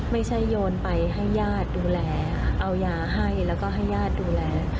โยนไปให้ญาติดูแลเอายาให้แล้วก็ให้ญาติดูแล